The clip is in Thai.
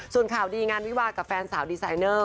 ส่วนข่าวดีงานวิวากับแฟนสาวดีไซเนอร์